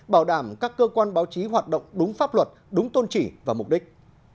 bảo đảm các cơ quan báo chí hoạt động đúng pháp luật đúng tôn trị và mục đích